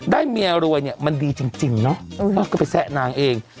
ได้เมียรวยเนี่ยมันดีจริงเนาะก็ไปแซะนางเอง